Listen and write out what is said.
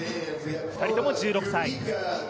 ２人とも１６歳。